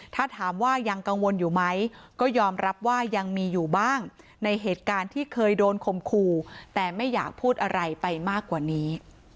ถ้าถามว่ายังกังวลอยู่ไหมก็ยอมรับว่ายังมีอยู่บ้างในเหตุการณ์ที่เคยโดนคมคู่แต่ไม่อยากพูดอะไรไปมากกว่านี้